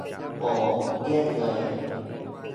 โอ เยี่ยมเลย